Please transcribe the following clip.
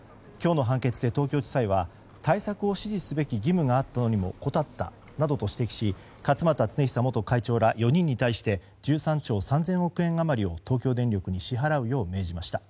今日の判決で東京地裁は対策を指示すべき義務があったのに怠ったなどと指摘し勝俣恒久元会長ら４人に対して１３兆３０００億円余りを東京電力に支払うよう命じました。